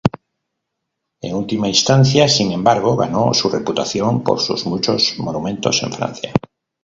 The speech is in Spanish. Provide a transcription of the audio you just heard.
En última instancia, sin embargo, ganó su reputación por sus muchos monumentos en Francia.